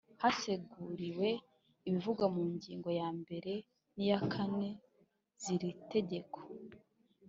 Haseguriwe ibivugwa mu ngingo yambere n iya kane z iri tegeko